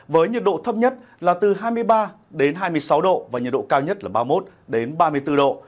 với nhiệt độ thấp nhất là từ hai mươi ba hai mươi sáu độ và nhiệt độ cao nhất là ba mươi một ba mươi bốn độ